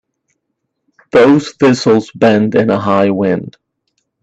Those thistles bend in a high wind.